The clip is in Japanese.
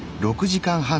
６時間半。